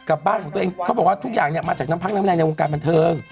บ้านของตัวเองเขาบอกว่าทุกอย่างเนี่ยมาจากน้ำพักน้ำแรงในวงการบันเทิง